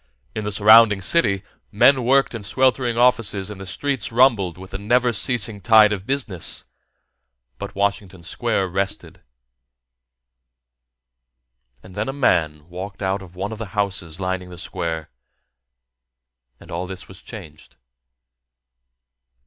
In the surrounding city, men worked in sweltering offices and the streets rumbled with the never ceasing tide of business but Washington Square rested. And then a man walked out of one of the houses lining the square, and all this was changed.